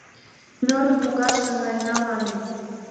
Мӧрым погаш наҥгаена манын